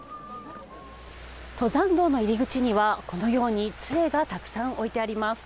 登山道の入り口には、このように、つえがたくさん置いてあります。